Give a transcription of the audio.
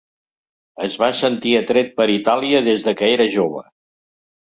Es va sentir atret per Itàlia des que era jove.